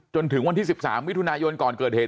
จนถึงวันที่๑๓มิถุนายนก่อนเกิดเหตุ